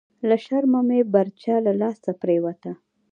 لهٔ شرمه مې برچه لهٔ لاسه پریوته… »